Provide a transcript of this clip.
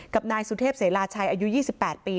กับนายสุเทพศ์เสราลาชัยอายุยี่สิบแปดปี